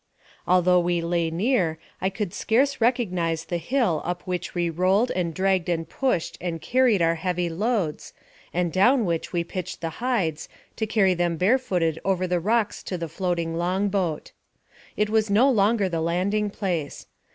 Although we lay near, I could scarce recognize the hill up which we rolled and dragged and pushed and carried our heavy loads, and down which we pitched the hides, to carry them barefooted over the rocks to the floating long boat. It was no longer the landing place.